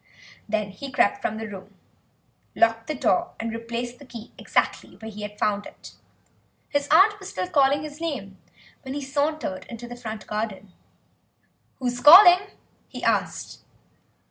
Then he crept from the room, locked the door, and replaced the key exactly where he had found it. His aunt was still calling his name when he sauntered into the front garden. "Who's calling?" he asked.